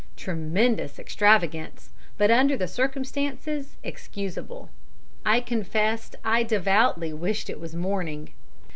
Tremendous extravagance, but under the circumstances excusable. I confess I devoutly wished it was morning.